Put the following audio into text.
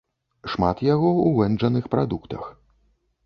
Шмат яго у вэнджаных прадуктах.